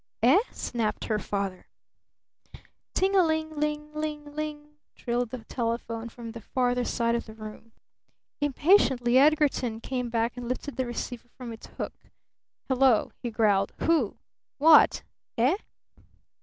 "Eh?" snapped her father. Ting a ling ling ling ling! trilled the telephone from the farther side of the room. Impatiently Edgarton came back and lifted the receiver from its hook. "Hello?" he growled. "Who? What? Eh?"